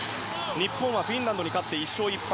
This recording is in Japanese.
日本はフィンランドに勝って１勝１敗。